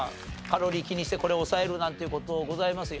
カロリー気にしてこれを抑えるなんていう事ございます？